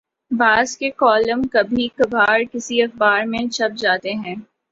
بعض کے کالم کبھی کبھارکسی اخبار میں چھپ جاتے ہیں۔